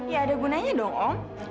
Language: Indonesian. ya ada gunanya dong om